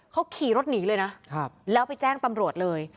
เขาขี่รถหนีเลยนะแล้วไปแจ้งตำรวจเลย